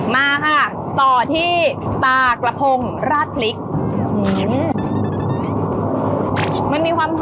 มาค่ะต่อที่ปลากระพงราดพริก